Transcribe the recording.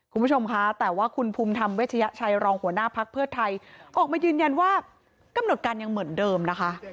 คุณผู้ชมคะแต่ว่าคุณภูมิธรรมเวชยชัยรองหัวหน้าพักเพื่อไทยออกมายืนยันว่ากำหนดการยังเหมือนเดิมนะคะ